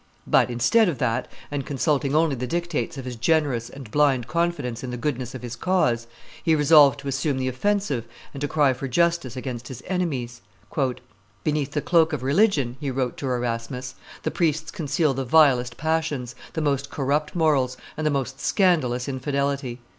But instead of that, and consulting only the dictates of his generous and blind confidence in the goodness of his cause, he resolved to assume the offensive and to cry for justice against his enemies. "Beneath the cloak of religion," he wrote to Erasmus, "the priests conceal the vilest passions, the most corrupt morals, and the most scandalous infidelity.